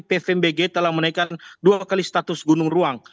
pvmbg telah menaikkan dua kali status gunung ruang